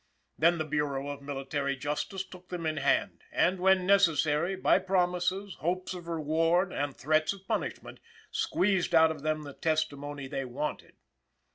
Then the Bureau of Military Justice took them in hand, and, when necessary, by promises, hopes of reward and threats of punishment, squeezed out of them the testimony they wanted.